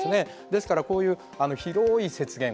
ですからこういう広い雪原